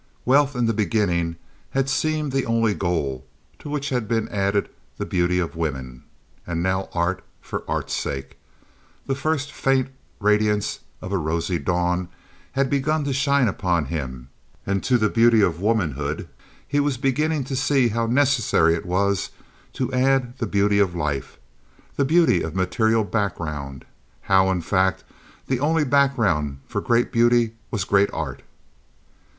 Wealth, in the beginning, had seemed the only goal, to which had been added the beauty of women. And now art, for art's sake—the first faint radiance of a rosy dawn—had begun to shine in upon him, and to the beauty of womanhood he was beginning to see how necessary it was to add the beauty of life—the beauty of material background—how, in fact, the only background for great beauty was great art.